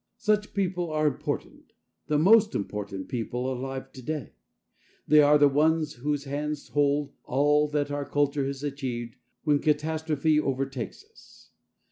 Such people are important, the most important people alive today. They are the ones whose hands hold all that our culture has achieved when catastrophe overtakes us.